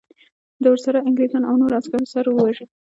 د ورسره انګریزانو او نورو عسکرو سره وواژه.